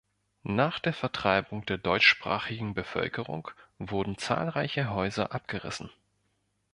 Nach der Vertreibung der deutschsprachigen Bevölkerung wurden zahlreiche Häuser abgerissen.